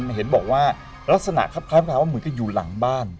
เห็นบอกว่าลักษณะครับคล้ายว่าเหมือนกับอยู่หลังบ้าน